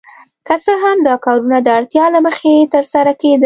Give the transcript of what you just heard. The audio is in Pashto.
که څه هم دا کارونه د اړتیا له مخې ترسره کیدل.